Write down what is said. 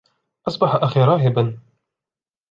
أصبح أخي راهبا